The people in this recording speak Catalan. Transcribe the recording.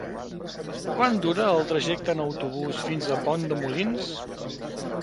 Quant dura el trajecte en autobús fins a Pont de Molins?